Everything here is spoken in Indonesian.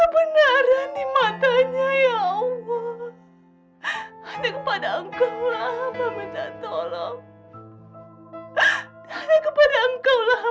bapak maafkan aku